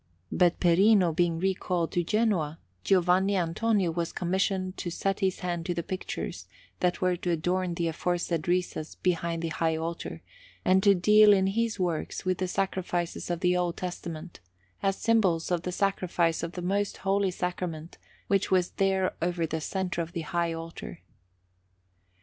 But Perino being recalled to Genoa, Giovanni Antonio was commissioned to set his hand to the pictures that were to adorn the aforesaid recess behind the high altar, and to deal in his works with the sacrifices of the Old Testament, as symbols of the Sacrifice of the Most Holy Sacrament, which was there over the centre of the high altar.